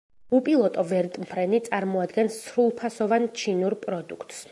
უპილოტო ვერტმფრენი წარმოადგენს სრულფასოვან ჩინურ პროდუქტს.